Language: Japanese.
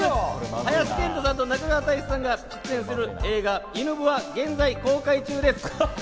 林遣都さんと中川大志さんが出演する映画『犬部！』は現在公開中です。